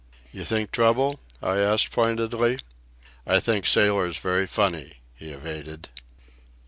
"You think trouble?" I asked pointedly. "I think sailors very funny," he evaded.